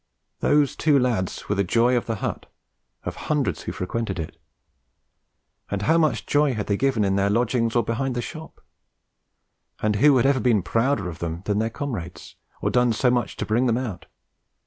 Those two lads were the joy of the hut, of hundreds who frequented it. And how much joy had they given in their lodgings or behind the shop? Who had ever been prouder of them than their comrades, or done so much to 'bring them out'?